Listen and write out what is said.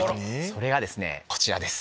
それがですねこちらです。